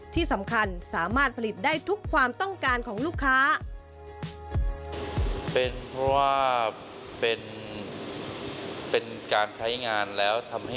ที่สำคัญสามารถผลิตได้ทุกความต้องการของลูกค้า